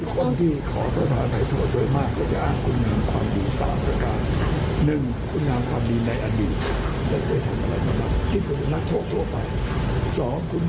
หรือพอมีริยังเขาก็ให้เครดิตอีกคะแนน